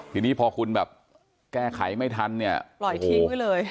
ทีนี้พอคุณแบบแก้ไขไม่ทันเนี่ยปล่อยทิ้งไว้เลย